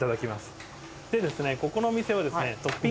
ここの店はですねあっ